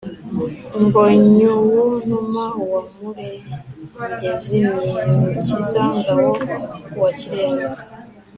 Mbonyuwontuma wa Murengezi ni Rukiza-ngabo uwa Kirenga